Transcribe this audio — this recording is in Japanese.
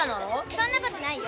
そんなことないよ。